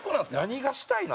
何がしたいの？